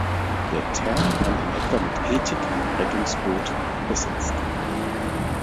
Der Term kann in etwa mit Ethik im Rettungsboot übersetzt werden.